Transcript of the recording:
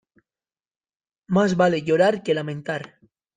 Más vale llorar que lamentar.